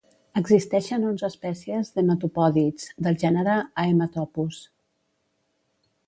Existeixen onze espècies d'hematopòdids del gènere Haematopus.